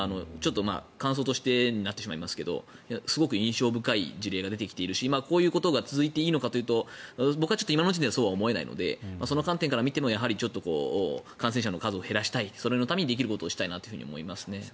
感想として担ってしまいますがすごく印象深い事例が出てきているしこういうことが続いていいのかいうと僕は今の時点ではそうは思えないのでその観点から見ても感染者の数を減らしたいそのためにできることをしたいと思いますね。